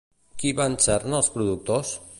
Qui van ser-ne els productors?